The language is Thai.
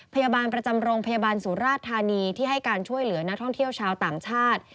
พยาบาลประจำโรงพยาบาลสุราชธานีที่ให้การช่วยเหลือนักท่องเที่ยวชาวต่างชาติ